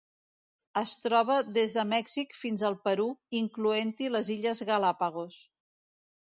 Es troba des de Mèxic fins al Perú, incloent-hi les Illes Galápagos.